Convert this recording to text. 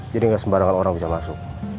jadi gak sembarangan orang bisa masuk